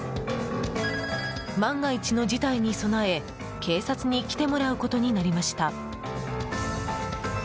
万が一の自体に備え、警察に来てもらうことになりました。